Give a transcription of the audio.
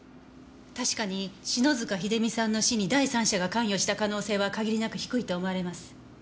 確かに篠塚秀実さんの死に第三者が関与した可能性は限りなく低いと思われます。